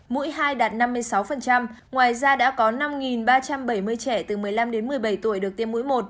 mũi hai đạt năm mươi sáu ngoài ra đã có năm ba trăm bảy mươi trẻ từ một mươi năm đến một mươi bảy tuổi được tiêm mũi một